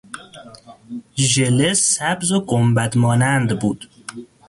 ژله سبز و گنبد مانند بود.